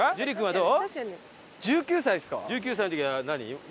１９歳の時は何？